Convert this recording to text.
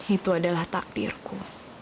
itu adalah takdirku